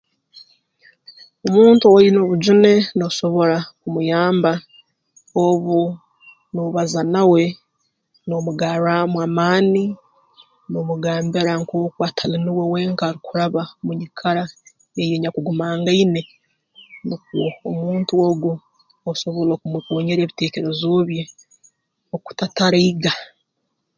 Omuntu owaine obujune noosobora kumuyamba obu noobaza nawe noomugarraamu amaani noomugambira nkooku atali nuwe wenka arukuraba mu nyikara enyakugumangaine nukwo omuntu ogu osobole okumukoonyeera ebiteekereezo bye okutataraiga